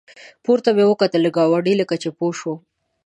پورته مې وکتلې ګاونډی لکه چې پوه شو.